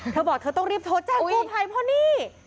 เธอบอกเธอต้องรีบโทรแจ้งกู้ภัยเพราะนี่